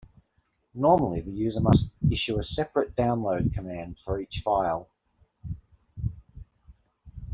Normally, the user must issue a separate download command for each file.